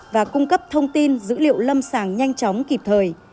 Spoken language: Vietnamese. và cung cấp thông tin dữ liệu lâm sàng nhanh chóng kịp thời